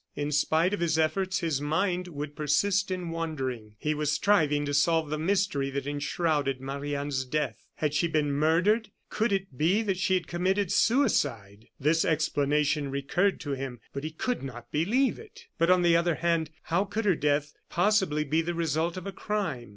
In spite of his efforts, his mind would persist in wandering. He was striving to solve the mystery that enshrouded Marie Anne's death. Had she been murdered? Could it be that she had committed suicide? This explanation recurred to him, but he could not believe it. But, on the other hand, how could her death possibly be the result of a crime?